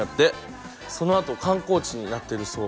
そのあと観光地になってるそう。